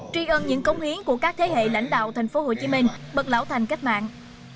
tri ân những cống hiến của các thế hệ lãnh đạo tp hcm bậc lão thành cách mạng